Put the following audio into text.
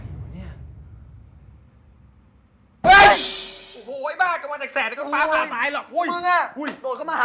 โอ้โห